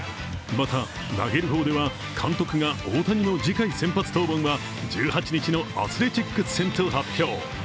また、投げる方では監督が大谷の次回先発登板は１８日のアスレチックス戦と発表。